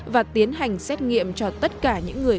và tiến hành xét nghiệm cho tất cả những người